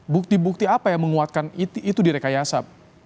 bukti bukti apa yang menguatkan itu direkayasa